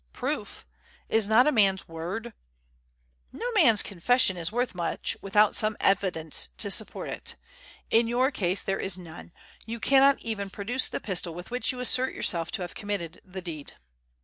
"Proof? Is not a man's word " "No man's confession is worth much without some evidence to support it. In your case there is none. You cannot even produce the pistol with which you assert yourself to have committed the deed."